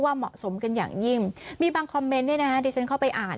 เหมาะสมกันอย่างยิ่งมีบางคอมเมนต์เนี่ยนะฮะที่ฉันเข้าไปอ่าน